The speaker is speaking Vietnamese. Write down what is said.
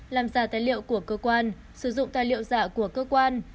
làm giả tài liệu của cơ quan sử dụng tài liệu giả của cơ quan